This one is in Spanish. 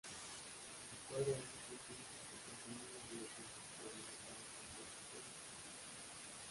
De acuerdo a estos últimos, el contenido de los bultos cubanos estaba compuesto por:.